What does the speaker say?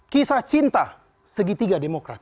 kisah cinta segitiga demokrat